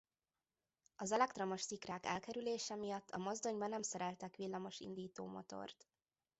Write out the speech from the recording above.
Az elektromos szikrák elkerülése miatt a mozdonyba nem szereltek villamos indító motort.